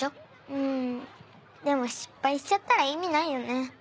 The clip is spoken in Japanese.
うんでも失敗しちゃったら意味ないよね。